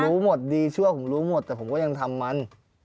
รู้หมดดีชั่วแต่พูดมันผมยังทำมัน